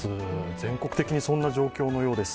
全国的にそんな状況のようです。